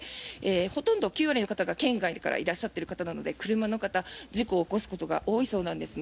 ほとんど９割の方が、県外からいらっしゃっている方なので車の方、事故を起こすことが多いそうなんですね。